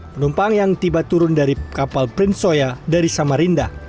penumpang yang tiba turun dari kapal print soya dari samarinda